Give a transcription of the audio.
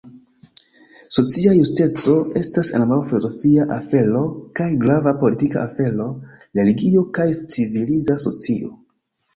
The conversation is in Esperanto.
Socia justeco estas ambaŭ filozofia afero kaj grava politika afero, religio, kaj civila socio.